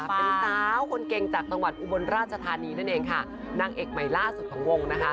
เป็นสาวคนเก่งจากจังหวัดอุบลราชธานีนั่นเองค่ะนางเอกใหม่ล่าสุดของวงนะคะ